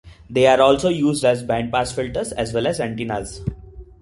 They are also used as bandpass filters as well as antennas.